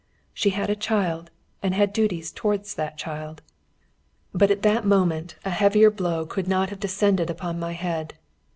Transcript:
She had a child, and had duties towards that child. But at that moment a heavier blow could not have descended upon my head.